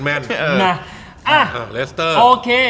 อะโอเค